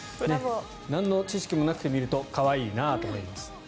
なんの知識もなく見ると可愛いなあと思います。